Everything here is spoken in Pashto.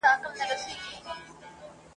د جنګ تاریخ به په کتابونو کي لیکل کېږي.